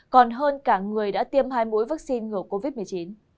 còn hơn cả người đã tiêm hai mũi vaccine ngừa covid một mươi chín